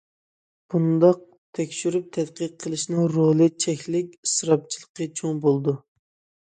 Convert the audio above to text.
بۇنداق تەكشۈرۈپ تەتقىق قىلىشنىڭ رولى چەكلىك، ئىسراپچىلىقى چوڭ بولىدۇ.